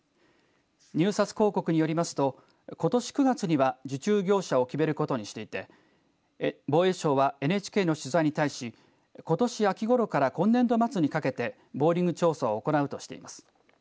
入札公告によりますとことし９月には受注業者を決めることにしていて防衛省はＮＨＫの取材に対しことし秋ごろから今年度末にかけてボーリング調査を行うとしています。